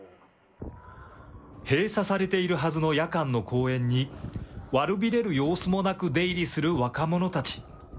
閉鎖されているはずの夜間の公園に、悪びれる様子もなく出入りする若者たち。